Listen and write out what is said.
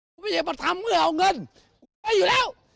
ผมไม่อยากมาทำเมื่อเอาเงินไปอยู่แล้ว